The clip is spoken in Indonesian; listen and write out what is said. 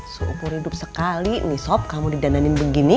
seukur hidup sekali nih sob kamu didananin begini